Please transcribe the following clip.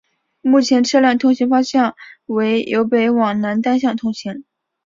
目前车辆通行方向为由北往南单向通行。